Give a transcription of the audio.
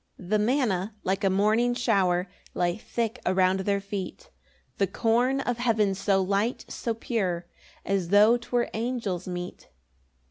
3 The manna, like a morning shower, Lay thick around their feet; The corn of heaven, so light, so pure, As tho' 'twere angels' meat.